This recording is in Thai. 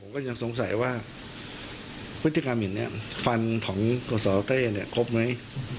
ก็ยังสงสัยว่าวิธีกรามินเนี้ยฟันของสอสอเต้เนี้ยครบไหม